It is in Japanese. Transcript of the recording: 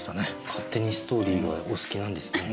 勝手にストーリーがお好きなんですね。